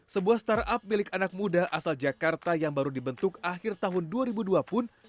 sebuah startup milik anak muda asal jakarta yang baru dibentuk akhir tahun dua ribu dua pun